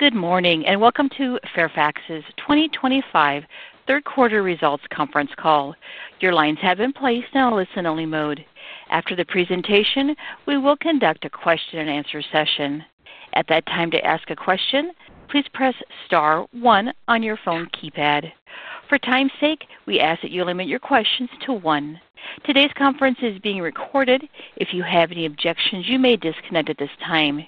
Good morning and Welcome to Fairfax's 2025 Third Quarter results conference call. Your lines have been placed in a listen-only mode. After the presentation, we will conduct a question-and-answer session. At that time, to ask a question, please press star one on your phone keypad. For time's sake, we ask that you limit your questions to one. Today's conference is being recorded. If you have any objections, you may disconnect at this time.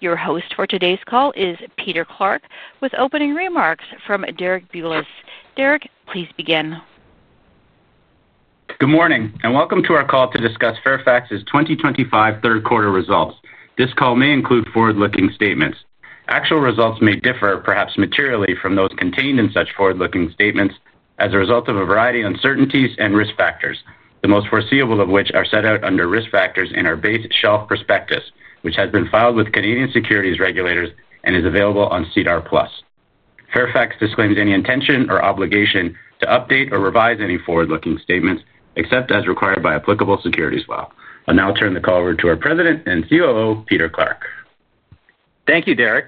Your host for today's call is Peter Clarke, with opening remarks from Derek Bulas. Derek, please begin. Good morning and Welcome to our call to discuss Fairfax's 2025 third quarter results. This call may include forward-looking statements. Actual results may differ, perhaps materially, from those contained in such forward-looking statements as a result of a variety of uncertainties and risk factors, the most foreseeable of which are set out under risk factors in our base shelf prospectus, which has been filed with Canadian securities regulators and is available on SEDAR+. Fairfax disclaims any intention or obligation to update or revise any forward-looking statements, except as required by applicable securities law. I'll now turn the call over to our President and COO, Peter Clarke. Thank you, Derek.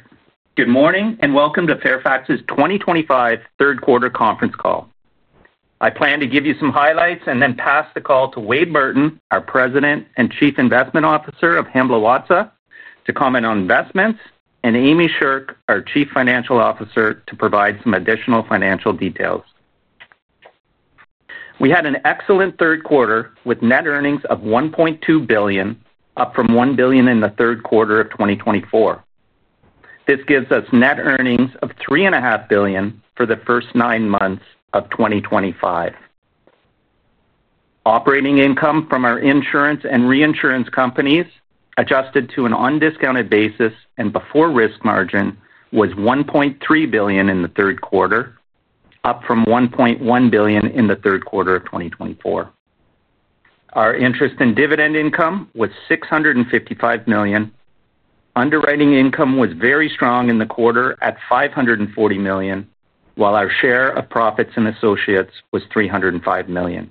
Good morning and Welcome to Fairfax's 2025 Third Quarter conference call. I plan to give you some highlights and then pass the call to Wade Burton, our President and Chief Investment Officer of Hamblin Watsa, to comment on investments, and Amy Sherk, our Chief Financial Officer, to provide some additional financial details. We had an excellent third quarter with net earnings of $1.2 billion, up from $1 billion in the third quarter of 2024. This gives us net earnings of $3.5 billion for the first nine months of 2025. Operating income from our insurance and reinsurance companies, adjusted to an undiscounted basis and before risk margin, was $1.3 billion in the third quarter, up from $1.1 billion in the third quarter of 2024. Our interest and dividend income was $655 million. Underwriting income was very strong in the quarter at $540 million, while our share of profits in associates was $305 million.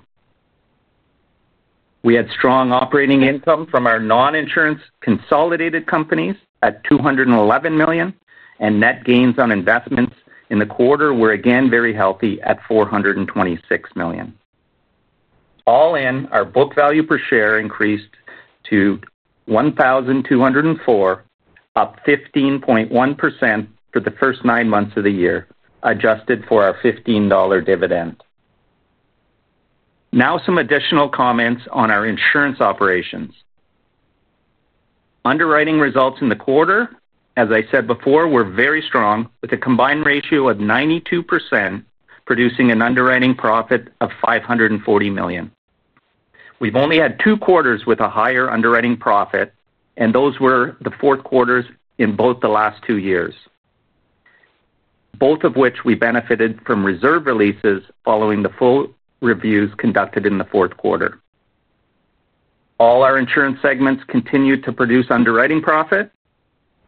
We had strong operating income from our non-insurance consolidated companies at $211 million, and net gains on investments in the quarter were again very healthy at $426 million. All in, our book value per share increased to $1,204, up 15.1% for the first nine months of the year, adjusted for our $15 dividend. Now, some additional comments on our insurance operations. Underwriting results in the quarter, as I said before, were very strong with a combined ratio of 92%, producing an underwriting profit of $540 million. We've only had two quarters with a higher underwriting profit, and those were the fourth quarters in both the last two years, both of which we benefited from reserve releases following the full reviews conducted in the fourth quarter. All our insurance segments continued to produce underwriting profit.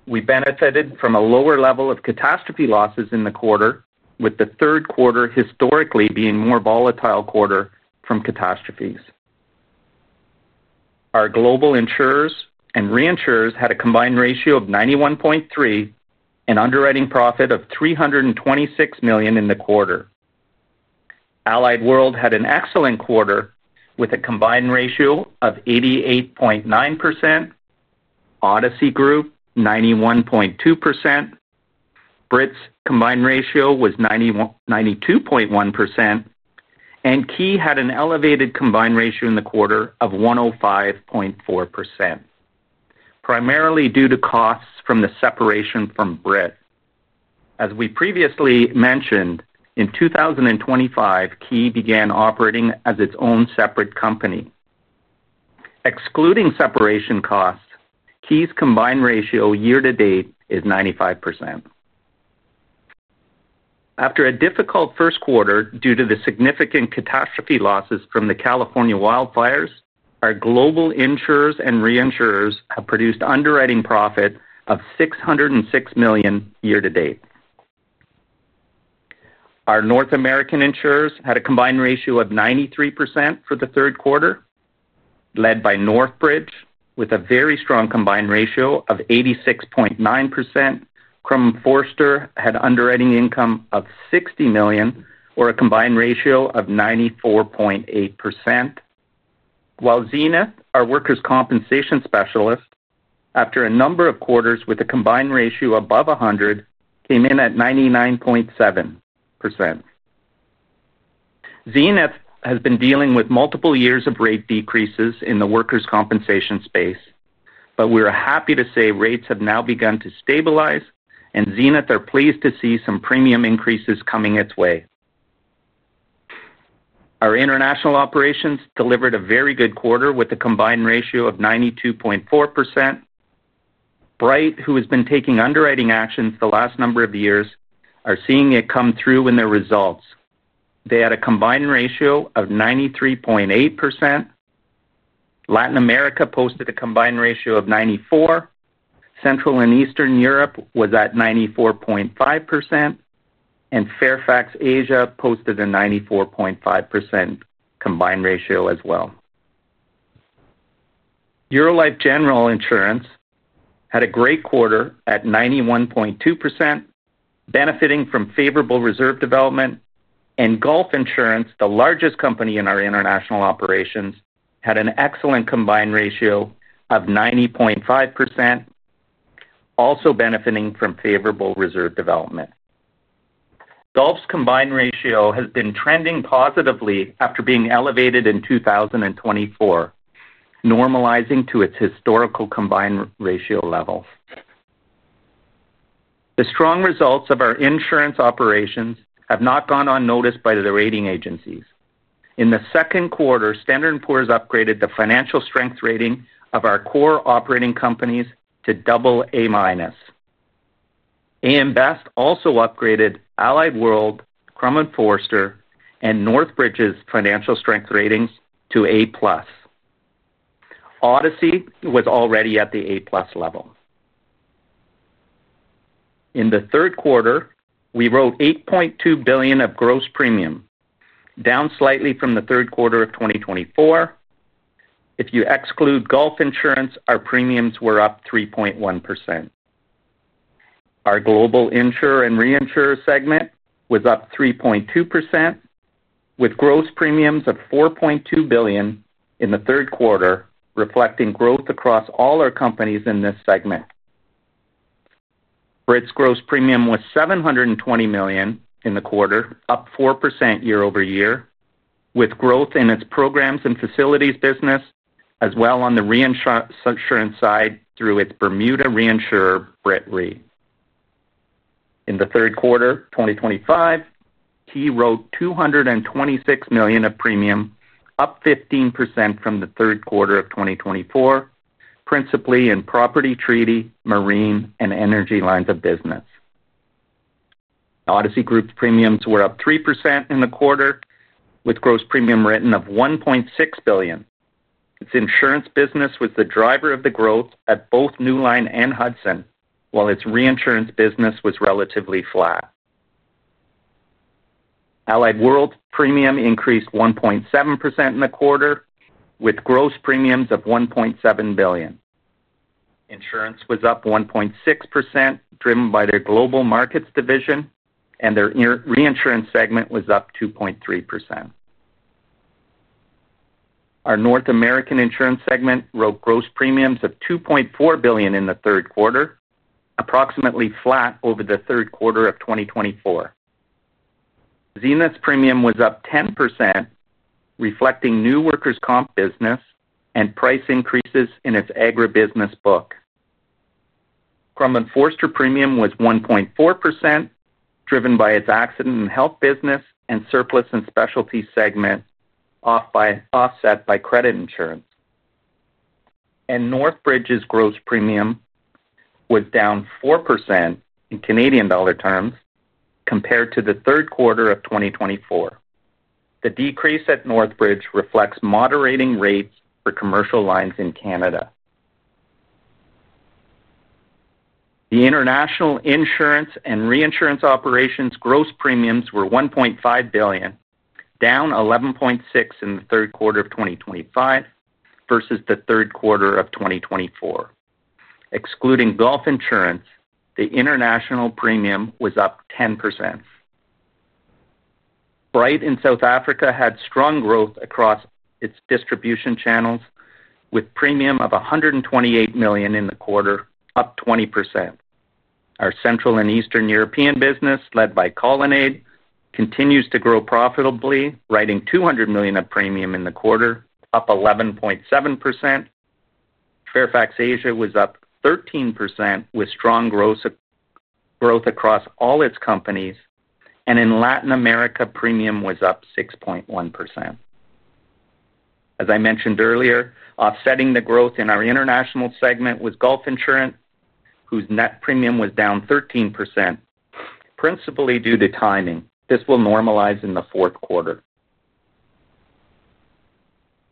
We benefited from a lower level of catastrophe losses in the quarter, with the third quarter historically being a more volatile quarter from catastrophes. Our global insurers and reinsurers had a combined ratio of 91.3% and an underwriting profit of $326 million in the quarter. Allied World had an excellent quarter with a combined ratio of 88.9%, Odyssey Group 91.2%, Brit's combined ratio was 92.1%, and Key had an elevated combined ratio in the quarter of 105.4%, primarily due to costs from the separation from Brit. As we previously mentioned, in 2025, Key began operating as its own separate company. Excluding separation costs, Key's combined ratio year to date is 95%. After a difficult first quarter due to the significant catastrophe losses from the California wildfires, our global insurers and reinsurers have produced underwriting profit of $606 million year to date. Our North American insurers had a combined ratio of 93% for the third quarter, led by Northbridge, with a very strong combined ratio of 86.9%. Crum & Forster had underwriting income of $60 million, or a combined ratio of 94.8%, while Zenith, our workers' compensation specialist, after a number of quarters with a combined ratio above 100, came in at 99.7%. Zenith has been dealing with multiple years of rate decreases in the workers' compensation space, but we are happy to say rates have now begun to stabilize, and Zenith are pleased to see some premium increases coming its way. Our international operations delivered a very good quarter with a combined ratio of 92.4%. Brit, who has been taking underwriting actions the last number of years, are seeing it come through in their results. They had a combined ratio of 93.8%. Latin America posted a combined ratio of 94. Central and Eastern Europe was at 94.5%, and Fairfax Asia posted a 94.5% combined ratio as well. Eurolife General Insurance had a great quarter at 91.2%, benefiting from favorable reserve development, and Gulf Insurance, the largest company in our international operations, had an excellent combined ratio of 90.5%, also benefiting from favorable reserve development. Gulf's combined ratio has been trending positively after being elevated in 2024, normalizing to its historical combined ratio level. The strong results of our insurance operations have not gone unnoticed by the rating agencies. In the second quarter, Standard & Poor's upgraded the financial strength rating of our core operating companies to AA-. AM Best also upgraded Allied World, Crum & Forster, and Northbridge's financial strength ratings to A+. Odyssey was already at the A+ level. In the third quarter, we wrote $8.2 billion of gross premium, down slightly from the third quarter of 2024. If you exclude Gulf Insurance, our premiums were up 3.1%. Our global insurer and reinsurer segment was up 3.2%, with gross premiums of $4.2 billion in the third quarter, reflecting growth across all our companies in this segment. Brit's gross premium was $720 million in the quarter, up 4% year-over-year, with growth in its programs and facilities business, as well as on the reinsurance side through its Bermuda reinsurer, Brit Re. In the third quarter 2025, Key wrote $226 million of premium, up 15% from the third quarter of 2024, principally in property, treaty, marine, and energy lines of business. Odyssey Group's premiums were up 3% in the quarter, with gross premium written of $1.6 billion. Its insurance business was the driver of the growth at both Newline and Hudson, while its reinsurance business was relatively flat. Allied World's premium increased 1.7% in the quarter, with gross premiums of $1.7 billion. Insurance was up 1.6%, driven by their global markets division, and their reinsurance segment was up 2.3%. Our North American insurance segment wrote gross premiums of $2.4 billion in the third quarter, approximately flat over the third quarter of 2024. Zenith's premium was up 10%, reflecting new workers' comp business and price increases in its agribusiness book. Crum & Forster premium was up 1.4%, driven by its accident and health business and surplus and specialty segment, offset by credit insurance. Northbridge's gross premium was down 4% in Canadian Dollar terms compared to the third quarter of 2024. The decrease at Northbridge reflects moderating rates for commercial lines in Canada. The international insurance and reinsurance operations gross premiums were $1.5 billion, down 11.6% in the third quarter of 2025 versus the third quarter of 2024. Excluding Gulf Insurance, the international premium was up 10%. Bright in South Africa had strong growth across its distribution channels, with premium of $128 million in the quarter, up 20%. Our Central and Eastern European business, led by Colonnade, continues to grow profitably, writing $200 million of premium in the quarter, up 11.7%. Fairfax Asia was up 13%, with strong growth across all its companies, and in Latin America, premium was up 6.1%. As I mentioned earlier, offsetting the growth in our international segment was Gulf Insurance, whose net premium was down 13%, principally due to timing. This will normalize in the fourth quarter.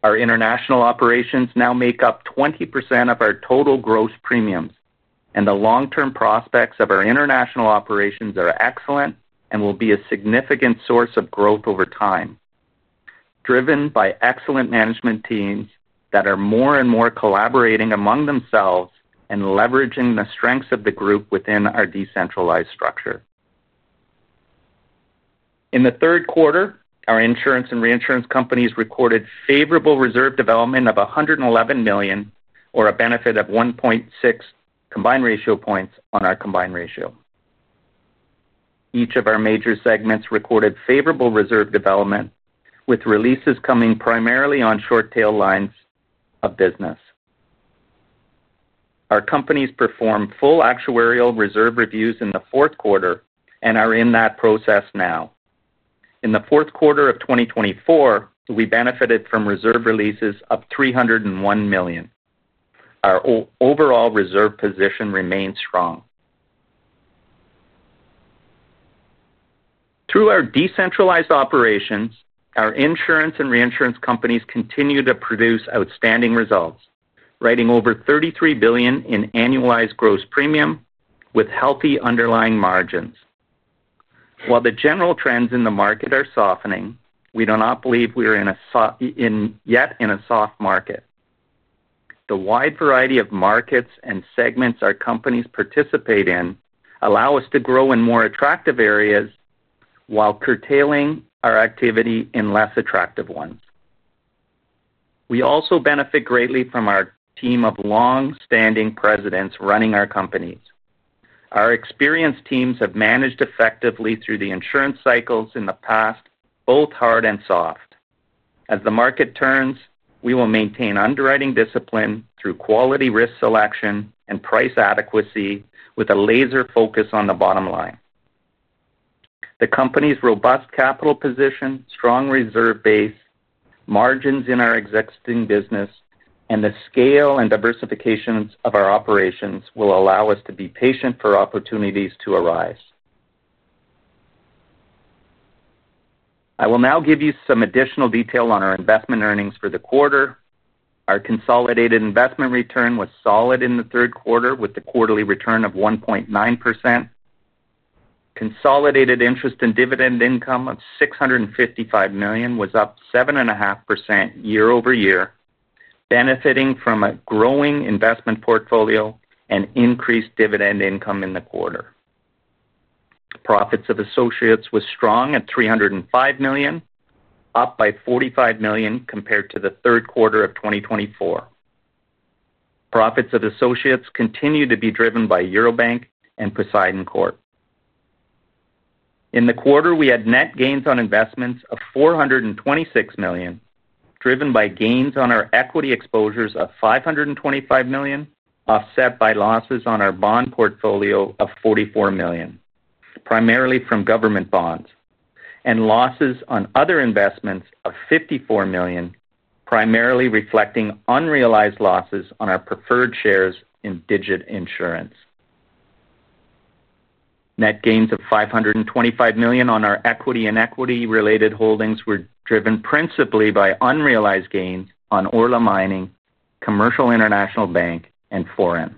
Our international operations now make up 20% of our total gross premiums, and the long-term prospects of our international operations are excellent and will be a significant source of growth over time, driven by excellent management teams that are more and more collaborating among themselves and leveraging the strengths of the group within our decentralized structure. In the third quarter, our insurance and reinsurance companies recorded favorable reserve development of $111 million, or a benefit of 1.6 combined ratio points on our combined ratio. Each of our major segments recorded favorable reserve development, with releases coming primarily on short-tail lines of business. Our companies performed full actuarial reserve reviews in the fourth quarter and are in that process now. In the fourth quarter of 2024, we benefited from reserve releases of $301 million. Our overall reserve position remains strong. Through our decentralized operations, our insurance and reinsurance companies continue to produce outstanding results, writing over $33 billion in annualized gross premium, with healthy underlying margins. While the general trends in the market are softening, we do not believe we are yet in a soft market. The wide variety of markets and segments our companies participate in allow us to grow in more attractive areas while curtailing our activity in less attractive ones. We also benefit greatly from our team of long-standing presidents running our companies. Our experienced teams have managed effectively through the insurance cycles in the past, both hard and soft. As the market turns, we will maintain underwriting discipline through quality risk selection and price adequacy, with a laser focus on the bottom line. The company's robust capital position, strong reserve base, margins in our existing business, and the scale and diversifications of our operations will allow us to be patient for opportunities to arise. I will now give you some additional detail on our investment earnings for the quarter. Our consolidated investment return was solid in the third quarter, with the quarterly return of 1.9%. Consolidated interest and dividend income of $655 million was up 7.5% year-over-year, benefiting from a growing investment portfolio and increased dividend income in the quarter. Profits of associates were strong at $305 million, up by $45 million compared to the third quarter of 2024. Profits of associates continue to be driven by Eurobank and Poseidon. In the quarter, we had net gains on investments of $426 million, driven by gains on our equity exposures of $525 million, offset by losses on our bond portfolio of $44 million, primarily from government bonds, and losses on other investments of $54 million, primarily reflecting unrealized losses on our preferred shares in Digit Insurance. Net gains of $525 million on our equity and equity-related holdings were driven principally by unrealized gains on Orla Mining, Commercial International Bank, and Fairfax.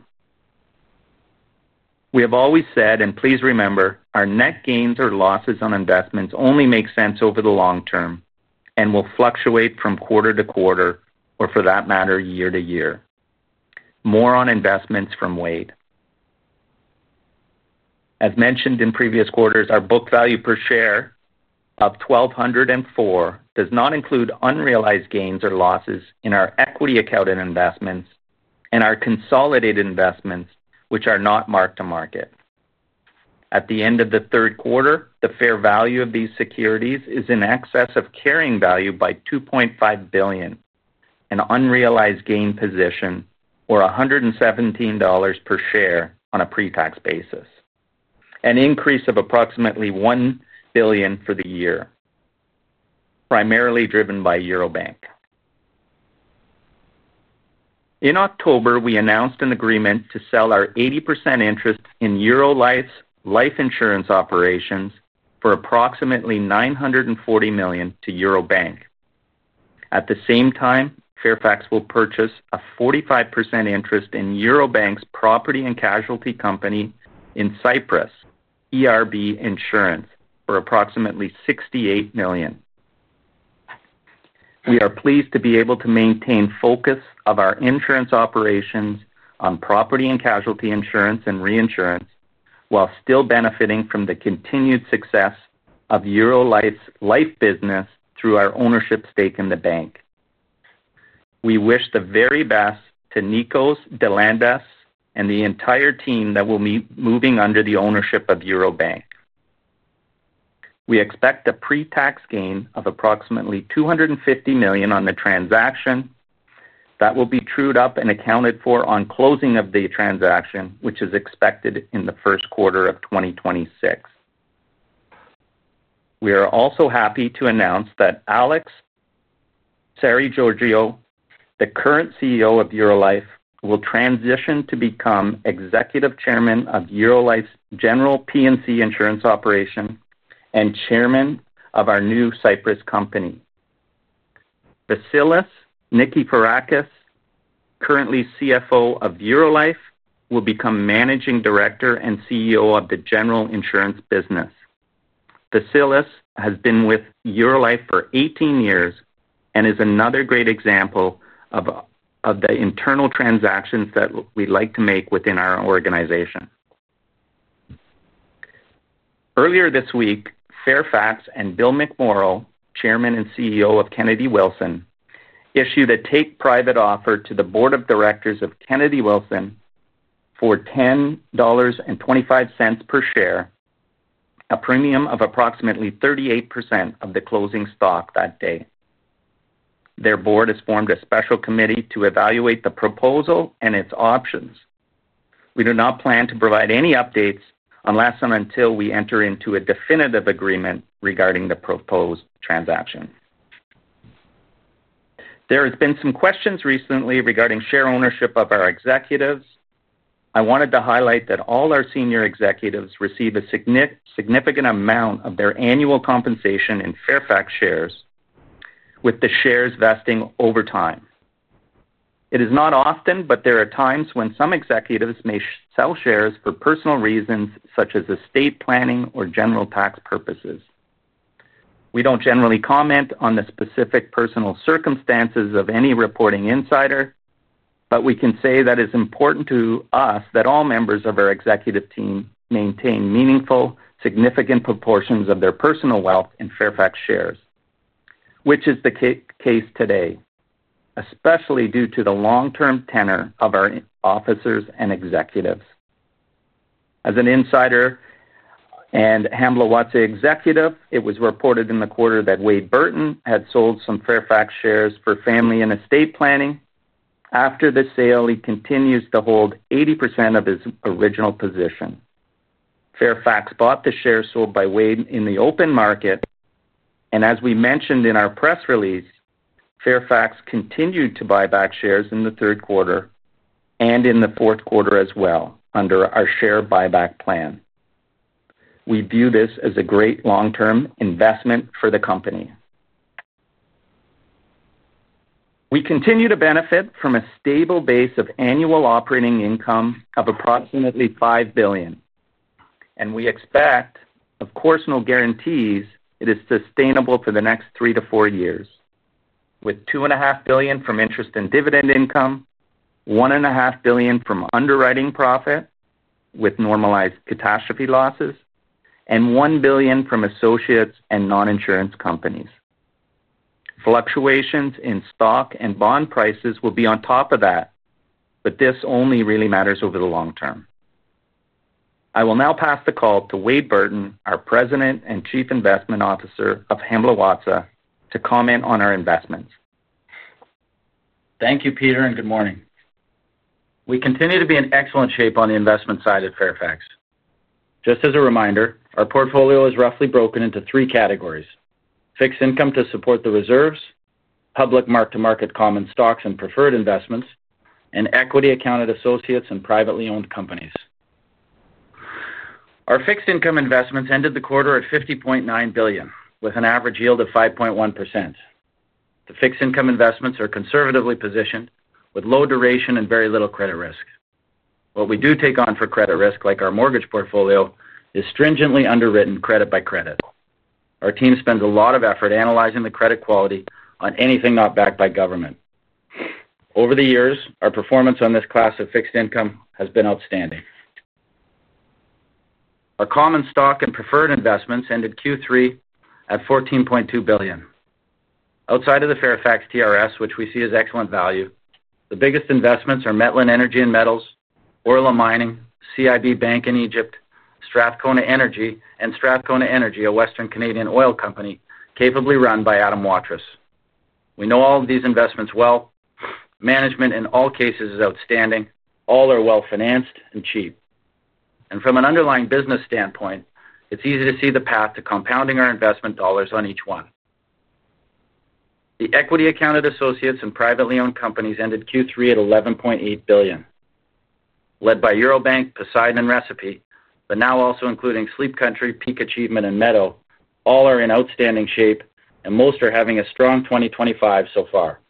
We have always said, and please remember, our net gains or losses on investments only make sense over the long term and will fluctuate from quarter to quarter, or for that matter, year to year. More on investments from Wade. As mentioned in previous quarters, our book value per share of $1,204 does not include unrealized gains or losses in our equity-accounted investments and our consolidated investments, which are not marked to market. At the end of the third quarter, the fair value of these securities is in excess of carrying value by $2.5 billion, an unrealized gain position, or $117 per share on a pre-tax basis, an increase of approximately $1 billion for the year, primarily driven by Eurobank. In October, we announced an agreement to sell our 80% interest in Eurolife's Life Insurance operations for approximately 940 million to Eurobank. At the same time, Fairfax will purchase a 45% interest in Eurobank's property and casualty company in Cyprus, ERB Insurance, for approximately 68 million. We are pleased to be able to maintain focus of our insurance operations on property and casualty insurance and reinsurance while still benefiting from the continued success of Eurolife's life business through our ownership stake in the bank. We wish the very best to Nikos Delandas and the entire team that will be moving under the ownership of Eurobank. We expect a pre-tax gain of approximately $250 million on the transaction that will be trued up and accounted for on closing of the transaction, which is expected in the first quarter of 2026. We are also happy to announce that Alex Sarrigeorgiou, the current CEO of Eurolife, will transition to become Executive Chairman of Eurolife's General P&C insurance operation and Chairman of our new Cyprus company. Vassilis Nikiforakis, currently CFO of Eurolife, will become Managing Director and CEO of the general insurance business. Vassilis has been with Eurolife for 18 years and is another great example of the internal transactions that we'd like to make within our organization. Earlier this week, Fairfax and Will McMorrow, Chairman and CEO of Kennedy Wilson, issued a take-private offer to the board of directors of Kennedy Wilson for $10.25 per share, a premium of approximately 38% of the closing stock that day. Their board has formed a special committee to evaluate the proposal and its options. We do not plan to provide any updates unless and until we enter into a definitive agreement regarding the proposed transaction. There have been some questions recently regarding share ownership of our executives. I wanted to highlight that all our senior executives receive a significant amount of their annual compensation in Fairfax shares, with the shares vesting over time. It is not often, but there are times when some executives may sell shares for personal reasons, such as estate planning or general tax purposes. We do not generally comment on the specific personal circumstances of any reporting insider, but we can say that it is important to us that all members of our executive team maintain meaningful, significant proportions of their personal wealth in Fairfax shares, which is the case today, especially due to the long-term tenure of our officers and executives. As an insider and Hamblin Watsa executive, it was reported in the quarter that Wade Burton had sold some Fairfax shares for family and estate planning. After the sale, he continues to hold 80% of his original position. Fairfax bought the shares sold by Wade in the open market, and as we mentioned in our press release, Fairfax continued to buy back shares in the third quarter and in the fourth quarter as well under our share buyback plan. We view this as a great long-term investment for the company. We continue to benefit from a stable base of annual operating income of approximately $5 billion, and we expect, of course, no guarantees it is sustainable for the next three to four years, with $2.5 billion from interest and dividend income, $1.5 billion from underwriting profit with normalized catastrophe losses, and $1 billion from associates and non-insurance companies. Fluctuations in stock and bond prices will be on top of that, but this only really matters over the long term. I will now pass the call to Wade Burton, our President and Chief Investment Officer of Hamblin Watsa, to comment on our investments. Thank you, Peter, and good morning. We continue to be in excellent shape on the investment side at Fairfax. Just as a reminder, our portfolio is roughly broken into three categories: fixed income to support the reserves, public mark-to-market common stocks and preferred investments, and equity-accounted associates and privately owned companies. Our fixed income investments ended the quarter at $50.9 billion, with an average yield of 5.1%. The fixed income investments are conservatively positioned, with low duration and very little credit risk. What we do take on for credit risk, like our mortgage portfolio, is stringently underwritten credit by credit. Our team spends a lot of effort analyzing the credit quality on anything not backed by government. Over the years, our performance on this class of fixed income has been outstanding. Our common stock and preferred investments ended Q3 at $14.2 billion. Outside of the Fairfax TRS, which we see as excellent value, the biggest investments are Methanex Energy and Metals, Orla Mining, CIB Bank in Egypt, Strathcona Energy, and Strathcona Energy, a Western Canadian oil company capably run by Adam Waterous. We know all of these investments well. Management in all cases is outstanding. All are well financed and cheap. From an underlying business standpoint, it's easy to see the path to compounding our investment dollars on each one. The equity-accounted associates and privately owned companies ended Q3 at $11.8 billion. Led by Eurobank, Poseidon Recipe Unlimited, but now also including Sleep Country, Peak Achievement Athletics, and Meadow Foods, all are in outstanding shape, and most are having a strong 2025 so far.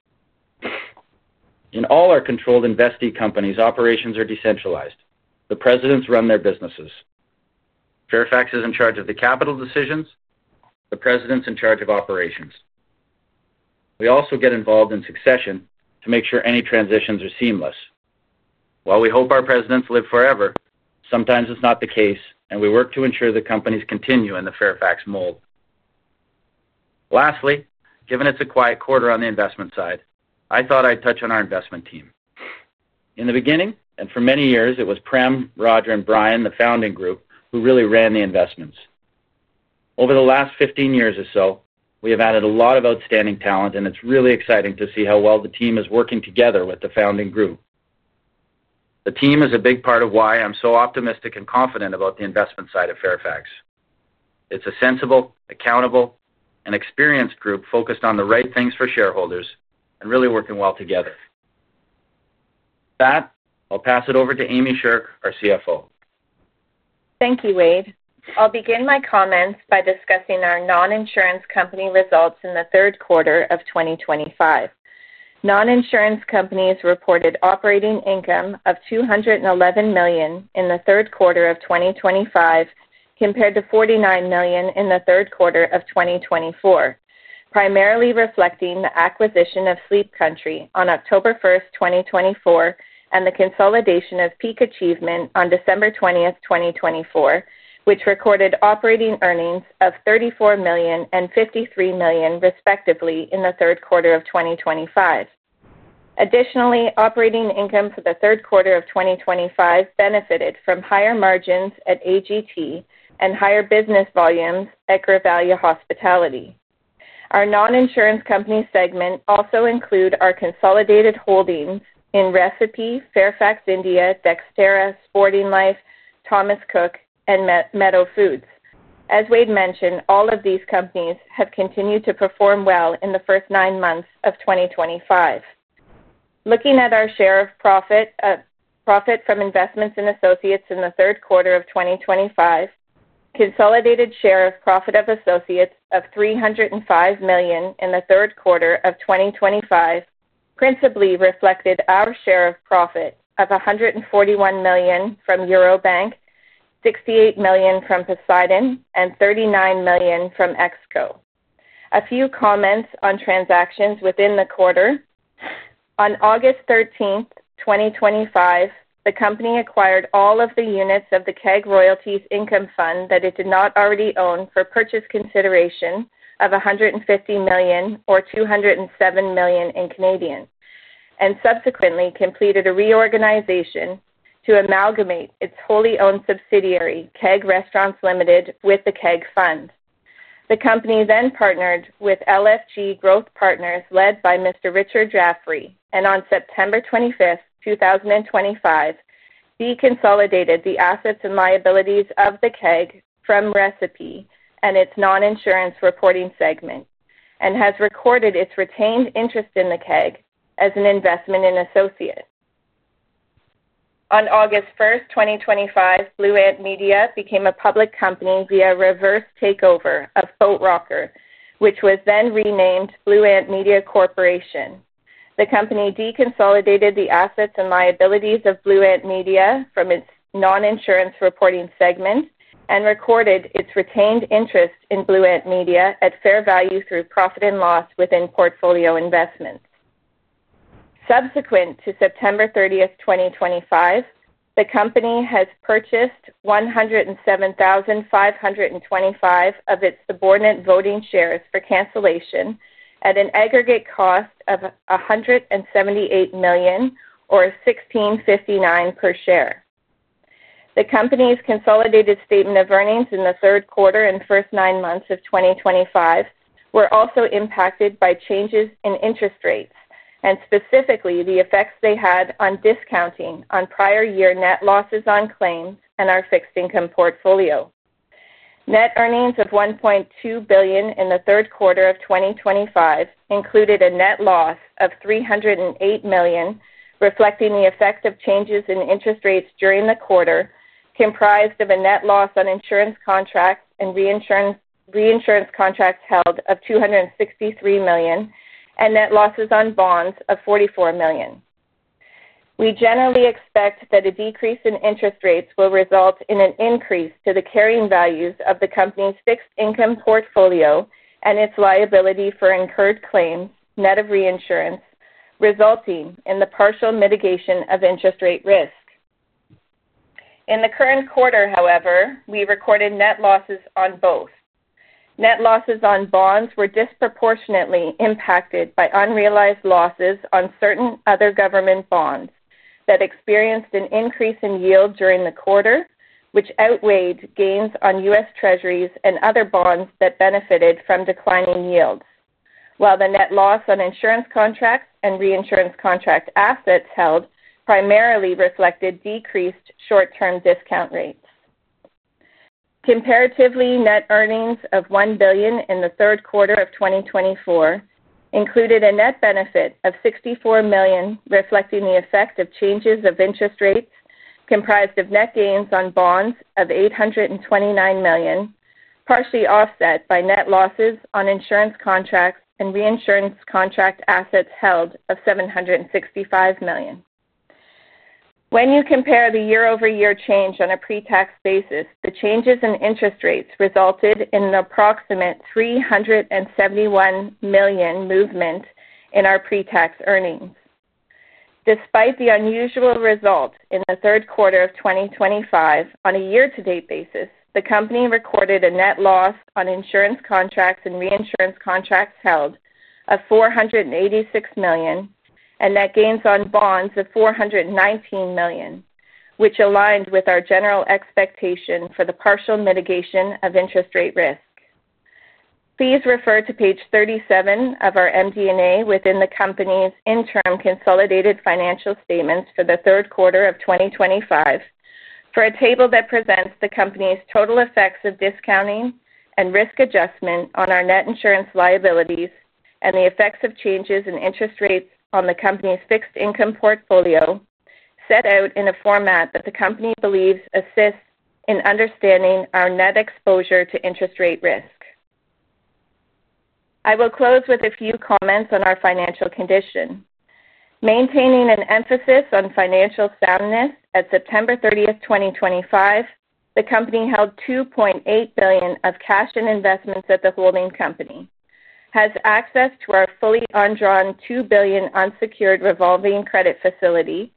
In all our controlled and vested companies, operations are decentralized. The presidents run their businesses. Fairfax is in charge of the capital decisions. The president's in charge of operations. We also get involved in succession to make sure any transitions are seamless. While we hope our presidents live forever, sometimes it's not the case, and we work to ensure the companies continue in the Fairfax mold. Lastly, given it's a quiet quarter on the investment side, I thought I'd touch on our investment team. In the beginning, and for many years, it was Prem, Roger, and Brian, the founding group, who really ran the investments. Over the last 15 years or so, we have added a lot of outstanding talent, and it's really exciting to see how well the team is working together with the founding group. The team is a big part of why I'm so optimistic and confident about the investment side of Fairfax. It's a sensible, accountable, and experienced group focused on the right things for shareholders and really working well together. With that, I'll pass it over to Amy Sherk, our CFO. Thank you, Wade. I'll begin my comments by discussing our non-insurance company results in the third quarter of 2025. Non-insurance companies reported operating income of $211 million in the third quarter of 2025 compared to $49 million in the third quarter of 2024, primarily reflecting the acquisition of Sleep Country on October 1st, 2024, and the consolidation of Peak Achievement on December 20th, 2024, which recorded operating earnings of $34 million and $53 million, respectively, in the third quarter of 2025. Additionally, operating income for the third quarter of 2025 benefited from higher margins at AGT and higher business volumes at Grivalia Hospitality. Our non-insurance company segment also includes our consolidated holdings in Recipe, Fairfax India, Dexterra, Sporting Life, Thomas Cook, and Meadow Foods. As Wade mentioned, all of these companies have continued to perform well in the first nine months of 2025. Looking at our share of profit from investments in associates in the third quarter of 2025, consolidated share of profit of associates of $305 million in the third quarter of 2025 principally reflected our share of profit of $141 million from Eurobank, $68 million from Poseidon, and $39 million from EXCO. A few comments on transactions within the quarter. On August 13, 2025, the company acquired all of the units of the Keg Royalties Income Fund that it did not already own for purchase consideration of 150 million or 207 million and subsequently completed a reorganization to amalgamate its wholly owned subsidiary, Keg Restaurants Limited, with the Keg Fund. The company then partnered with LFG Growth Partners, led by Mr. Richard Jaffery, and on September 25th, 2025, deconsolidated the assets and liabilities of the Keg from Recipe and its non-insurance reporting segment and has recorded its retained interest in the Keg as an investment in associates. On August 1st, 2025, Blue Ant Media became a public company via reverse takeover of Boat Rocker, which was then renamed Blue Ant Media Corporation. The company deconsolidated the assets and liabilities of Blue Ant Media from its non-insurance reporting segment and recorded its retained interest in Blue Ant Media at fair value through profit and loss within portfolio investments. Subsequent to September 30th, 2025, the company has purchased 107,525 of its subordinate voting shares for cancellation at an aggregate cost of $178 million or $16.59 per share. The company's consolidated statement of earnings in the third quarter and first nine months of 2025 were also impacted by changes in interest rates and specifically the effects they had on discounting on prior year net losses on claims and our fixed income portfolio. Net earnings of $1.2 billion in the third quarter of 2025 included a net loss of $308 million, reflecting the effect of changes in interest rates during the quarter, comprised of a net loss on insurance contracts and reinsurance contracts held of $263 million and net losses on bonds of $44 million. We generally expect that a decrease in interest rates will result in an increase to the carrying values of the company's fixed income portfolio and its liability for incurred claims net of reinsurance, resulting in the partial mitigation of interest rate risk. In the current quarter, however, we recorded net losses on both. Net losses on bonds were disproportionately impacted by unrealized losses on certain other government bonds that experienced an increase in yield during the quarter, which outweighed gains on U.S. Treasuries and other bonds that benefited from declining yields, while the net loss on insurance contracts and reinsurance contract assets held primarily reflected decreased short-term discount rates. Comparatively, net earnings of $1 billion in the third quarter of 2024 included a net benefit of $64 million, reflecting the effect of changes of interest rates comprised of net gains on bonds of $829 million, partially offset by net losses on insurance contracts and reinsurance contract assets held of $765 million. When you compare the year-over-year change on a pre-tax basis, the changes in interest rates resulted in an approximate $371 million movement in our pre-tax earnings. Despite the unusual result in the third quarter of 2025, on a year-to-date basis, the company recorded a net loss on insurance contracts and reinsurance contracts held of $486 million and net gains on bonds of $419 million, which aligned with our general expectation for the partial mitigation of interest rate risk. Please refer to page 37 of our MD&A within the company's interim consolidated financial statements for the third quarter of 2025 for a table that presents the company's total effects of discounting and risk adjustment on our net insurance liabilities and the effects of changes in interest rates on the company's fixed income portfolio set out in a format that the company believes assists in understanding our net exposure to interest rate risk. I will close with a few comments on our financial condition. Maintaining an emphasis on financial soundness, at September 30th, 2025, the company held $2.8 billion of cash and investments at the holding company, has access to our fully undrawn $2 billion unsecured revolving credit facility,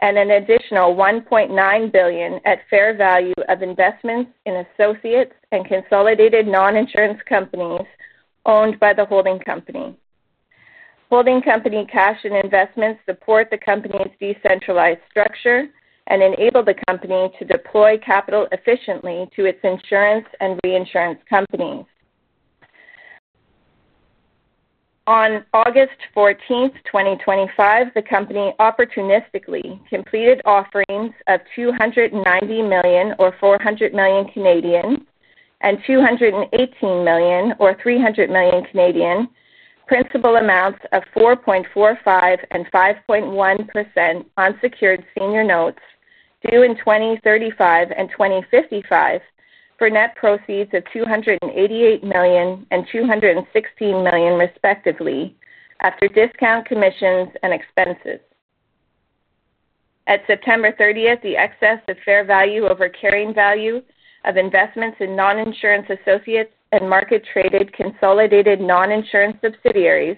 and an additional $1.9 billion at fair value of investments in associates and consolidated non-insurance companies owned by the holding company. Holding company cash and investments support the company's decentralized structure and enable the company to deploy capital efficiently to its insurance and reinsurance companies. On August 14th, 2025, the company opportunistically completed offerings of $290 million or 400 million and $218 million or 300 million, principal amounts of 4.45% and 5.1% unsecured senior notes due in 2035 and 2055 for net proceeds of $288 million and $216 million, respectively, after discount commissions and expenses. At September 30th, the excess of fair value over carrying value of investments in non-insurance associates and market-traded consolidated non-insurance subsidiaries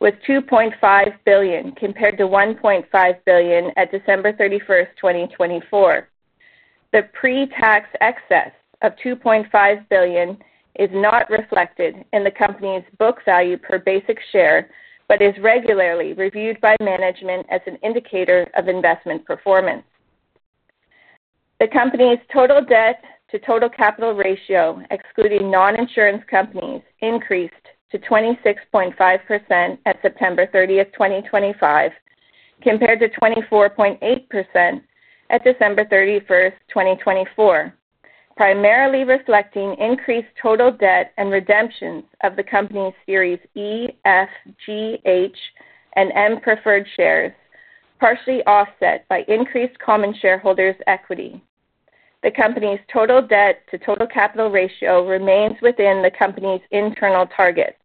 was $2.5 billion compared to $1.5 billion at December 31st, 2024. The pre-tax excess of $2.5 billion is not reflected in the company's book value per basic share, but is regularly reviewed by management as an indicator of investment performance. The company's total debt to total capital ratio, excluding non-insurance companies, increased to 26.5% at September 30th, 2025, compared to 24.8% at December 31st, 2024, primarily reflecting increased total debt and redemptions of the company's Series E, F, G, H, and M preferred shares, partially offset by increased common shareholders' equity. The company's total debt to total capital ratio remains within the company's internal target.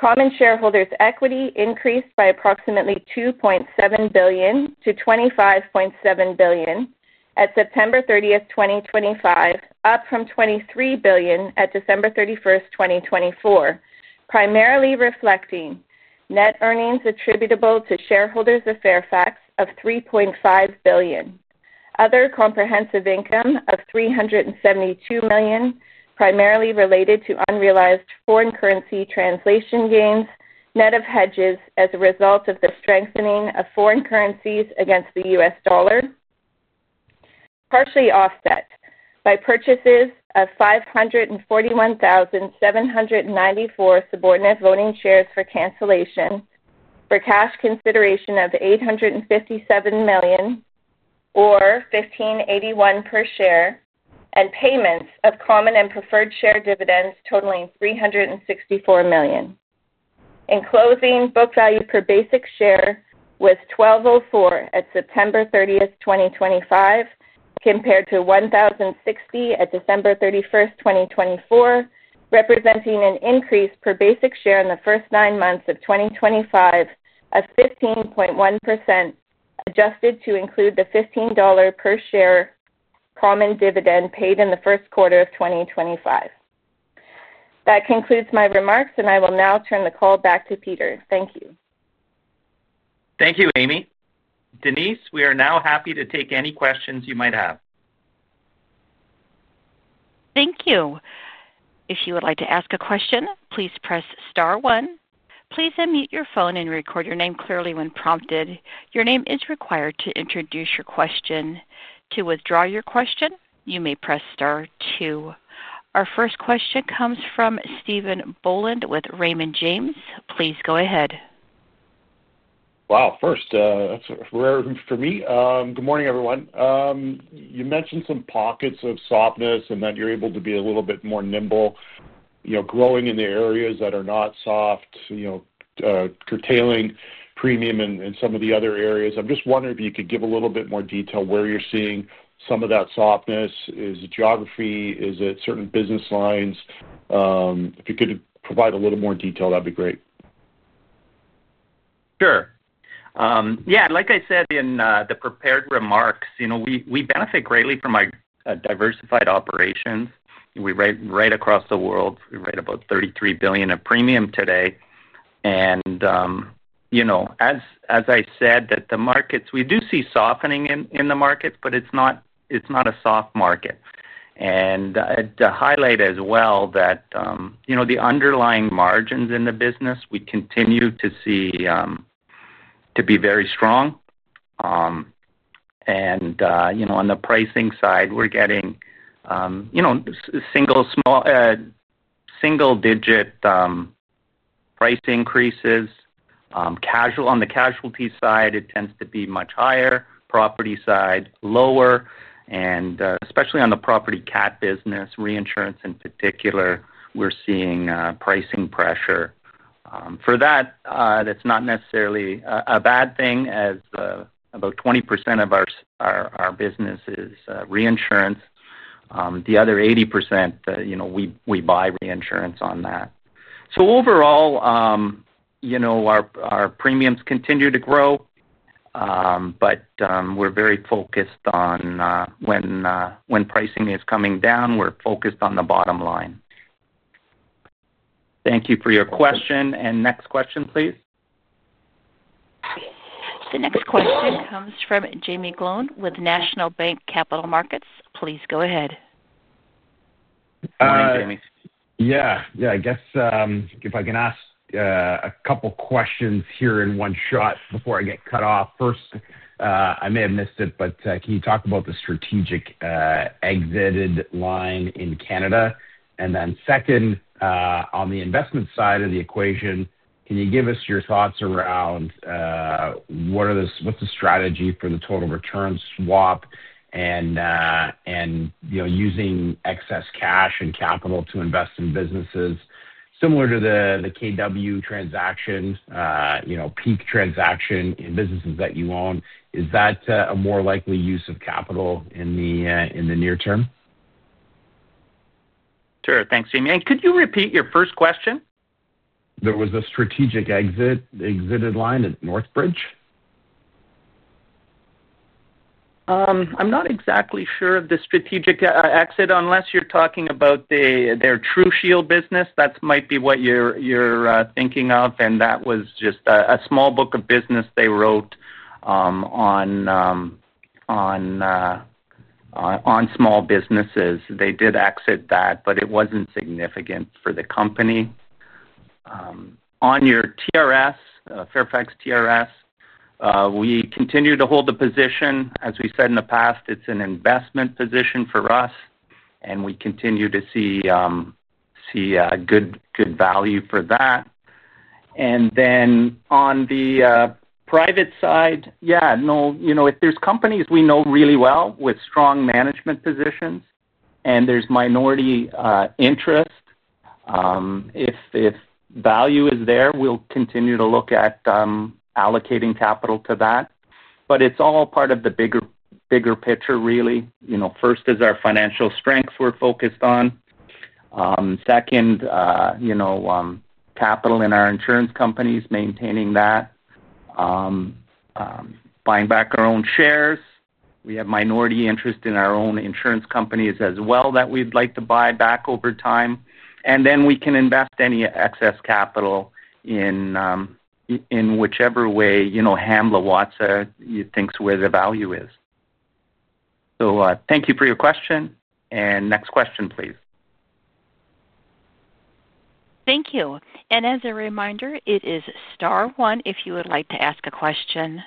Common shareholders' equity increased by approximately $2.7 billion to $25.7 billion at September 30th, 2025, up from $23 billion at December 31st, 2024, primarily reflecting net earnings attributable to shareholders of Fairfax of $3.5 billion. Other comprehensive income of $372 million primarily related to unrealized foreign currency translation gains, net of hedges as a result of the strengthening of foreign currencies against the U.S. dollar, partially offset by purchases of 541,794 subordinate voting shares for cancellation for cash consideration of $857 million or $15.81 per share, and payments of common and preferred share dividends totaling $364 million. In closing, book value per basic share was $12.04 at September 30th, 2025, compared to $1,060 at December 31st, 2024, representing an increase per basic share in the first nine months of 2025 of 15.1%, adjusted to include the $15 per share common dividend paid in the first quarter of 2025. That concludes my remarks, and I will now turn the call back to Peter. Thank you. Thank you, Amy. Denise, we are now happy to take any questions you might have. Thank you. If you would like to ask a question, please press Star one. Please unmute your phone and record your name clearly when prompted. Your name is required to introduce your question. To withdraw your question, you may press Star two. Our first question comes from Stephen Boland with Raymond James. Please go ahead. Wow, first, for me, good morning, everyone. You mentioned some pockets of softness and that you're able to be a little bit more nimble, you know, growing in the areas that are not soft, you know, curtailing premium in some of the other areas. I'm just wondering if you could give a little bit more detail where you're seeing some of that softness. Is it geography? Is it certain business lines? If you could provide a little more detail, that'd be great. Sure. Yeah, like I said in the prepared remarks, you know, we benefit greatly from our diversified operations. We write across the world. We write about $33 billion of premium today. You know, as I said, the markets, we do see softening in the markets, but it's not a soft market. To highlight as well, you know, the underlying margins in the business, we continue to see to be very strong. You know, on the pricing side, we're getting, you know, single-digit price increases. On the casualty side, it tends to be much higher. Property side, lower. Especially on the property cat business, reinsurance in particular, we're seeing pricing pressure. For that, that's not necessarily a bad thing, as about 20% of our business is reinsurance. The other 80%, you know, we buy reinsurance on that. Overall, you know, our premiums continue to grow, but we're very focused on when pricing is coming down, we're focused on the bottom line. Thank you for your question. Next question, please. The next question comes from Jaeme Gloyn with National Bank Capital Markets. Please go ahead. Hi, Jaeme. Yeah, yeah, I guess if I can ask a couple of questions here in one shot before I get cut off. First, I may have missed it, but can you talk about the strategic exited line in Canada? Then second, on the investment side of the equation, can you give us your thoughts around what's the strategy for the total return swap and, you know, using excess cash and capital to invest in businesses similar to the KW transaction, you know, peak transaction in businesses that you own? Is that a more likely use of capital in the near term? Sure. Thanks, Jaeme. Could you repeat your first question? There was a strategic exited line at Northbridge? I'm not exactly sure of the strategic exit unless you're talking about their TruShield business. That might be what you're thinking of. That was just a small book of business they wrote on small businesses. They did exit that, but it wasn't significant for the company. On your TRS, Fairfax TRS, we continue to hold the position. As we said in the past, it's an investment position for us, and we continue to see good value for that. And then on the private side, yeah, no, you know, if there's companies we know really well with strong management positions and there's minority interest, if value is there, we'll continue to look at allocating capital to that. But it's all part of the bigger picture, really. You know, first is our financial strengths we're focused on. Second, you know, capital in our insurance companies, maintaining that, buying back our own shares. We have minority interest in our own insurance companies as well that we'd like to buy back over time. And then we can invest any excess capital in whichever way, you know, Hamblin Watsa thinks where the value is. So thank you for your question. And next question, please. Thank you. As a reminder, it is Star one if you would like to ask a question.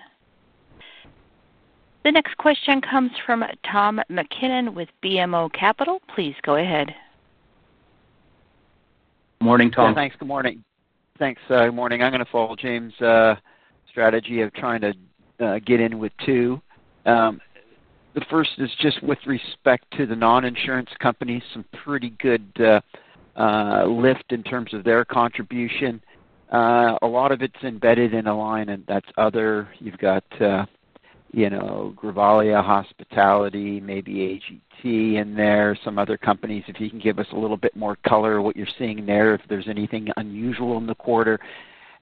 The next question comes from Tom MacKinnon with BMO Capital. Please go ahead. Morning, Tom. Thanks. Good morning. Thanks. Good morning. I'm going to follow James' strategy of trying to get in with two. The first is just with respect to the non-insurance companies, some pretty good lift in terms of their contribution. A lot of it's embedded in a line, and that's other. You've got, you know, Grivalia Hospitality, maybe AGT in there, some other companies. If you can give us a little bit more color of what you're seeing there, if there's anything unusual in the quarter.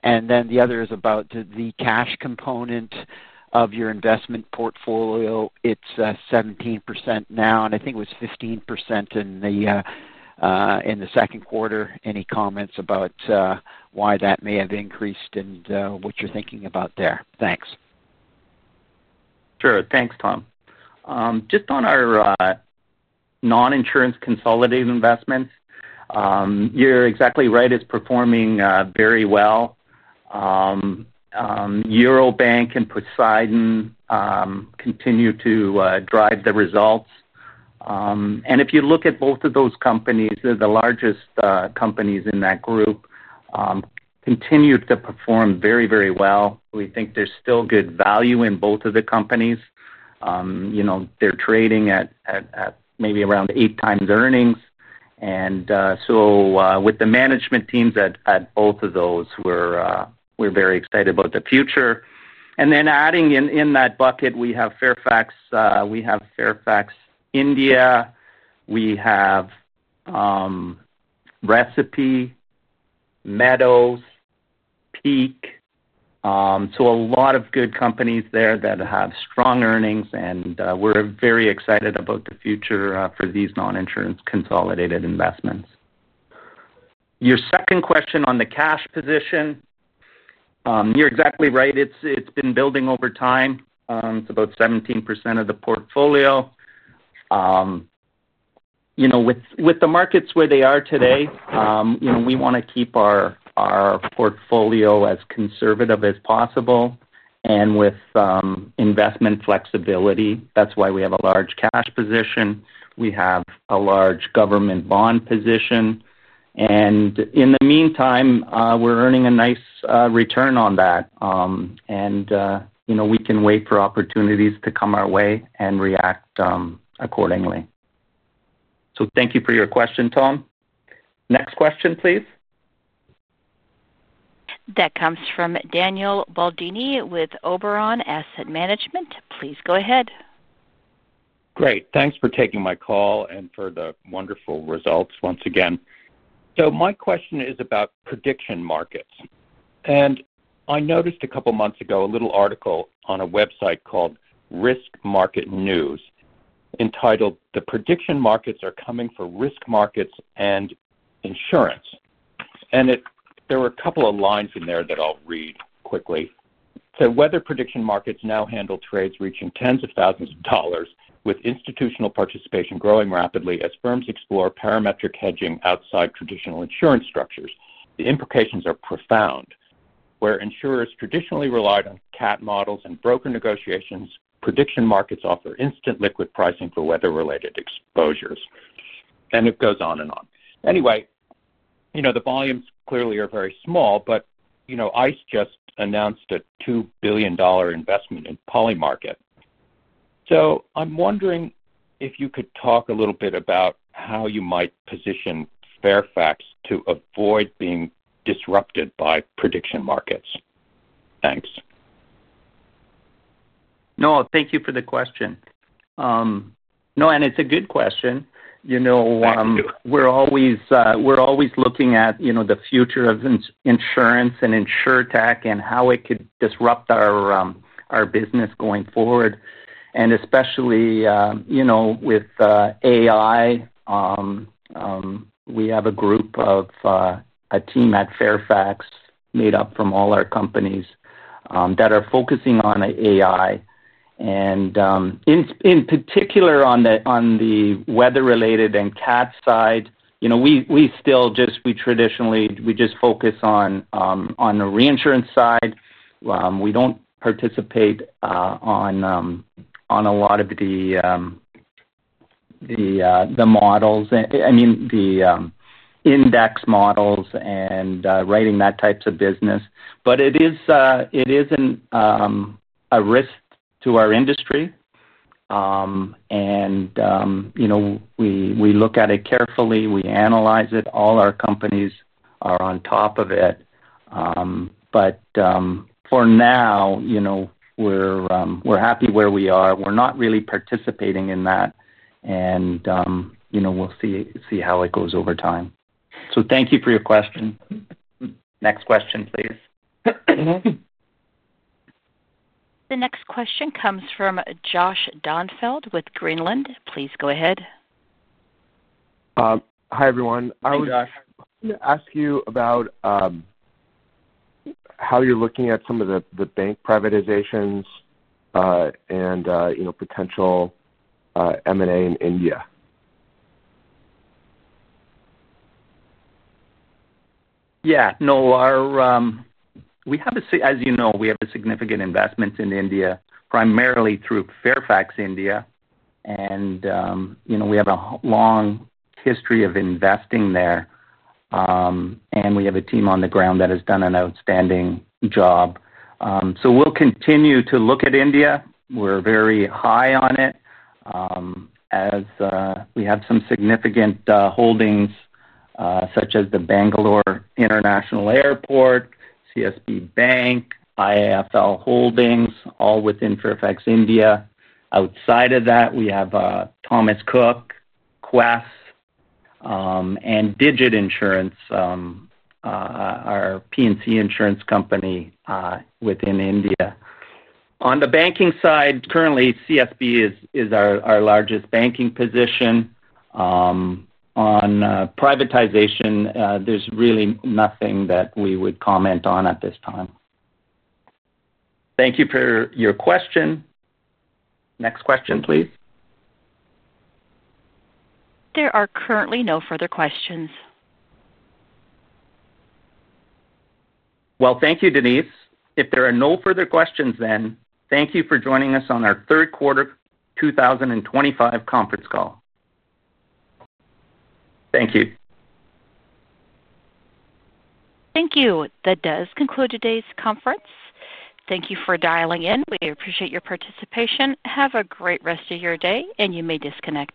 The other is about the cash component of your investment portfolio. It's 17% now, and I think it was 15% in the second quarter. Any comments about why that may have increased and what you're thinking about there? Thanks. Sure. Thanks, Tom. Just on our non-insurance consolidated investments, you're exactly right. It's performing very well. Eurobank and Poseidon continue to drive the results. If you look at both of those companies, they're the largest companies in that group, continued to perform very, very well. We think there's still good value in both of the companies. You know, they're trading at maybe around eight times earnings. With the management teams at both of those, we're very excited about the future. In that bucket, we have Fairfax, we have Fairfax India, we have Recipe, Meadow Foods, Peak Achievement Athletics. A lot of good companies there that have strong earnings, and we're very excited about the future for these non-insurance consolidated investments. Your second question on the cash position, you're exactly right. It's been building over time. It's about 17% of the portfolio. You know, with the markets where they are today, you know, we want to keep our portfolio as conservative as possible and with investment flexibility. That's why we have a large cash position. We have a large government bond position. In the meantime, we're earning a nice return on that. You know, we can wait for opportunities to come our way and react accordingly. Thank you for your question, Tom. Next question, please. That comes from Daniel Baldini with Oberon Asset Management. Please go ahead. Great. Thanks for taking my call and for the wonderful results once again. My question is about prediction markets. I noticed a couple of months ago a little article on a website called Risk Market News entitled, "The Prediction Markets Are Coming for Risk Markets and Insurance." There were a couple of lines in there that I'll read quickly. Weather prediction markets now handle trades reaching tens of thousands of dollars with institutional participation growing rapidly as firms explore parametric hedging outside traditional insurance structures. The implications are profound. Where insurers traditionally relied on cat models and broker negotiations, prediction markets offer instant liquid pricing for weather-related exposures. It goes on and on. Anyway, you know, the volumes clearly are very small, but, you know, ICE just announced a $2 billion investment in Polymarket. I'm wondering if you could talk a little bit about how you might position Fairfax to avoid being disrupted by prediction markets. Thanks. No, thank you for the question. No, and it's a good question. You know, we're always looking at, you know, the future of insurance and InsurTech and how it could disrupt our business going forward. Especially, you know, with AI, we have a group of a team at Fairfax made up from all our companies that are focusing on AI. In particular, on the weather-related and cat side, you know, we still just, we traditionally, we just focus on the reinsurance side. We don't participate on a lot of the models, I mean, the index models and writing that type of business. It is a risk to our industry. You know, we look at it carefully. We analyze it. All our companies are on top of it. For now, you know, we're happy where we are. We're not really participating in that. You know, we'll see how it goes over time. Thank you for your question. Next question, please. The next question comes from Josh Donfeld with Greenland. Please go ahead. Hi, everyone. Hey, Josh. I was going to ask you about how you're looking at some of the bank privatizations and, you know, potential M&A in India. Yeah. No, we have a, as you know, we have a significant investment in India, primarily through Fairfax India. You know, we have a long history of investing there. We have a team on the ground that has done an outstanding job. We'll continue to look at India. We're very high on it. We have some significant holdings such as the Bangalore International Airport, CSB Bank, IIFL Holdings, all within Fairfax India. Outside of that, we have Thomas Cook, Quess, and Digit Insurance, our P&C insurance company within India. On the banking side, currently, CSB is our largest banking position. On privatization, there is really nothing that we would comment on at this time. Thank you for your question. Next question, please. There are currently no further questions. Thank you, Denise. If there are no further questions, then thank you for joining us on our third quarter 2025 conference call. Thank you. Thank you. That does conclude today's conference. Thank you for dialing in. We appreciate your participation. Have a great rest of your day, and you may disconnect.